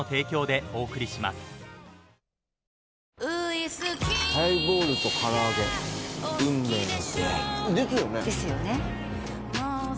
ですよね。ね？